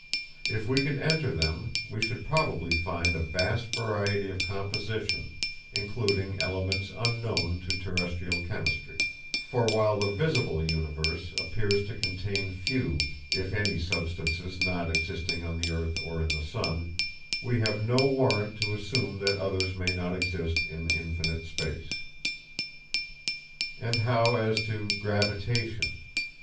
If we could enter them we should probably find a vast variety of composition, including elements unknown to terrestrial chemistry; for while the visible universe appears to contain few if any substances not existing on the earth or in the sun, we have no warrant to assume that others may not exist in infinite space. And how as to gravitation?